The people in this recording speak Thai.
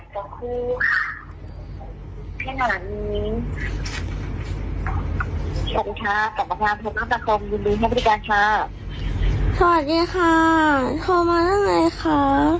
เขาก็เลยว่าเป็นอะไรสุขมหาคมอะไรอะคะ